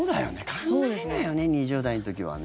考えないよね、２０代の時はね。